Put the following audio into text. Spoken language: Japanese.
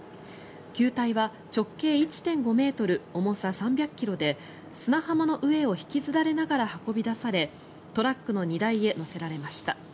球体は直径１．５ｍ重さ３００ｋｇで砂浜の上を引きずられながら運び出されトラックの荷台へ載せられました。